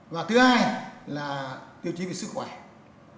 và thứ hai là tiêu chí về sức khỏe